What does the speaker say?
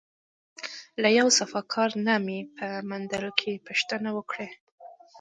له یو صفاکار نه مې په منډه کې پوښتنه وکړه.